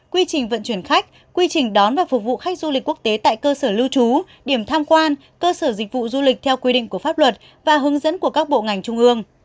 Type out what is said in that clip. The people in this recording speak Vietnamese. quy trình vận chuyển khách quy trình đón và phục vụ khách du lịch quốc tế tại cơ sở lưu trú điểm tham quan cơ sở dịch vụ du lịch theo quy định của pháp luật và hướng dẫn của các bộ ngành trung ương